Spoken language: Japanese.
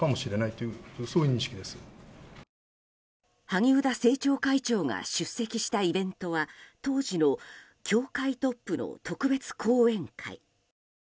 萩生田政調会長が出席したイベントは当時の教会トップの特別講演会。